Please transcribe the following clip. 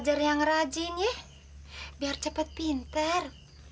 gak usah saya juga mau bantuin mbak